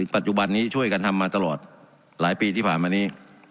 ปัจจุบันนี้ช่วยกันทำมาตลอดหลายปีที่ผ่านมานี้